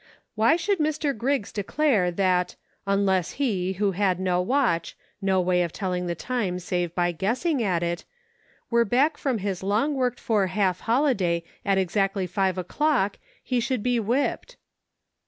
Why should Mr. Griggs' declare that, unless he, who had no watch, no way of telling the time save by guessing at it, were back from his long worked for half holiday at exactly five o'clock, he should be whipped